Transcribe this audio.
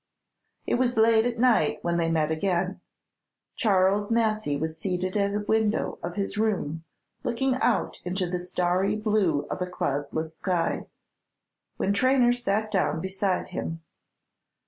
It was late at night when they met again. Charles Massy was seated at a window of his room, looking out into the starry blue of a cloudless sky, when Traynor sat down beside him.